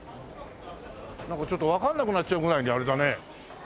なんかちょっとわからなくなっちゃうぐらいにあれだね。